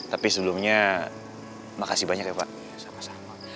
tapi sebelumnya makasih banyak ya pak